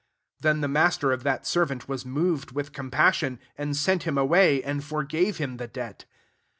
27 Then the master of that servant was mov ed with compassion, and sent him away, and forgave him the debt.